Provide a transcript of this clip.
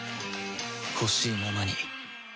ほしいままに